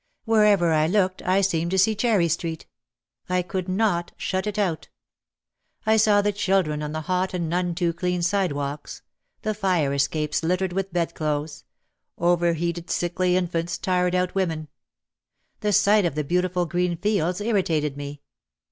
Wherever I looked I seemed to see Cherry Street. I could not shut it out. I saw the children on the hot and none too clean side walks, the fire escapes littered with bedclothes, overheat ed sickly infants, tired out women. The sight of the beautiful green fields irritated me.